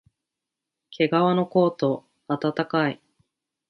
けがわのコート、あたたかい